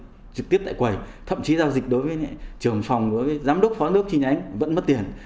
thậm chí giao dịch trực tiếp tại quầy thậm chí giao dịch đối với trường phòng đối với giám đốc phó giám đốc chi nhánh vẫn mất tiền